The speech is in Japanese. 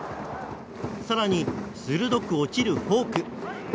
更に、鋭く落ちるフォーク。